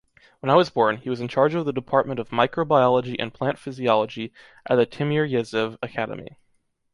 When I was born, he was in charge of the Department of Microbiology and Plant Physiology at the Timiryazev Academy.